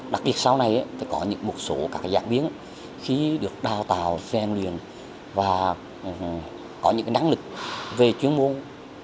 đặc biệt sau này có một số các giảng viên khi được đào tạo phèn liền và có những năng lực về chuyên môn